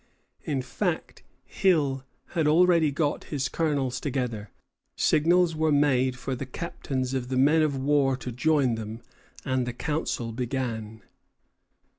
In fact, Hill had already got his colonels together. Signals were made for the captains of the men of war to join them, and the council began.